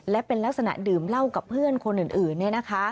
และเป็นลักษณะดื่มเหล้ากับเพื่อนคนอื่น